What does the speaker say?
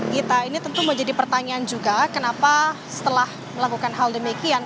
gita ini tentu menjadi pertanyaan juga kenapa setelah melakukan hal demikian